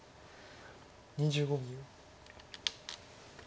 ２５秒。